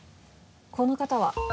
この方は？